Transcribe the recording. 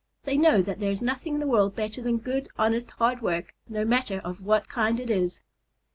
They know that there is nothing in the world better than good, honest, hard work, no matter of what kind it is.